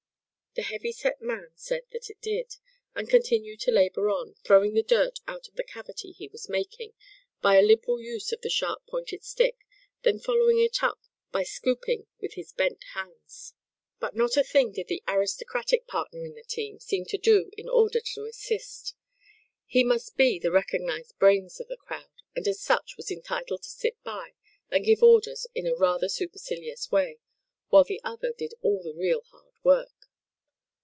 The heavy set man said that it did, and continued to labor on, throwing the dirt out of the cavity he was making, by a liberal use of the sharp pointed stick, then following it up by scooping with his bent hands. But not a thing did the aristocratic partner in the team seem to do in order to assist. He must be the recognized brains of the crowd, and as such was entitled to sit by, and give orders in a rather supercilious way, while the other did all the real hard work.